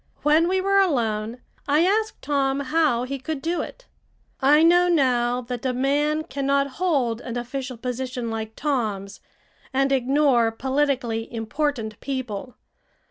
When we were alone, I asked Tom how he could do it. I know now that a man cannot hold an official position like Tom's and ignore politically important people.